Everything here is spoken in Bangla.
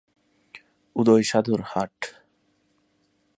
উদয়-সাধুর হাট।